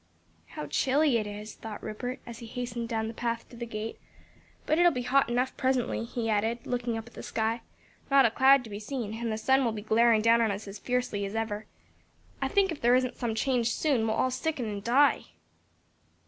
"How chilly it is!" thought Rupert, as he hastened down the path to the gate, "but it'll be hot enough presently," he added, looking up at the sky; "not a cloud to be seen, and the sun will be glaring down on us as fiercely as ever. I think if there isn't some change soon we'll all sicken and die."